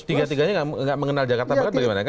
tiga tiganya nggak mengenal jakarta barat bagaimana